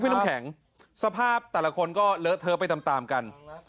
น้ำแข็งสภาพแต่ละคนก็เลอะเทอะไปตามตามกัน